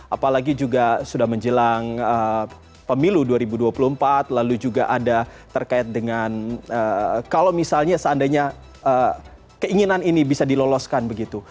apalagi juga sudah menjelang pemilu dua ribu dua puluh empat lalu juga ada terkait dengan kalau misalnya seandainya keinginan ini bisa diloloskan begitu